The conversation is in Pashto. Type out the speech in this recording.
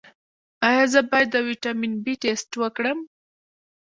ایا زه باید د ویټامین بي ټسټ وکړم؟